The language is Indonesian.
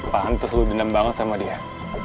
paham terus lo dinam banget sama dia